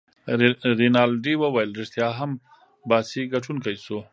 رینالډي وویل: ريښتیا هم، باسي ګټونکی شو.